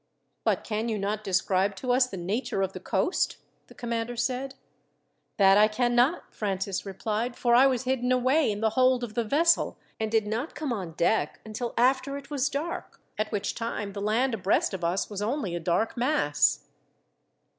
"But can you not describe to us the nature of the coast?" the commander said. "That I cannot," Francis replied; "for I was hidden away in the hold of the vessel, and did not come on deck until after it was dark, at which time the land abreast of us was only a dark mass."